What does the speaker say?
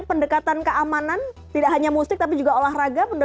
pendekatan keamanan tidak hanya musik tapi juga olahraga